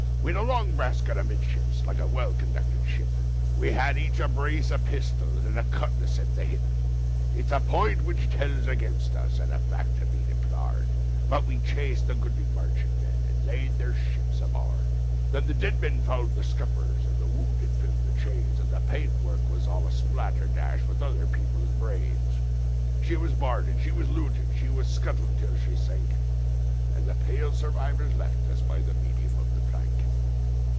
We'd a long brass gun amidships, like a well conducted ship, We had each a brace of pistols and a cutlass at the hip ; It's a point which tells against us, and a fact to be deplored, But we chased the goodly merchant men and laid their ships aboard \ 72 SALT WATER BALLADS Then the dead men fouled the scuppers and the wounded filled the chains, And the paint work all was spatter dashed with other people's brains, She was boarded, she was looted, she was scuttled till she sank, And the pale survivors left us by the medium of the plank.